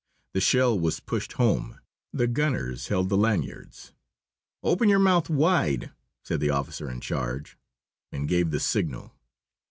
The shell was pushed home, the gunners held the lanyards. "Open your mouth wide," said the officer in charge, and gave the signal.